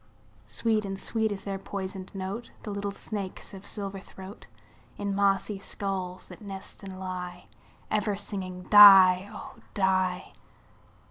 Sweet and sweet is their poisoned note, The little snakes' of silver throat, In mossy skulls that nest and lie, Ever singing "die, oh! die."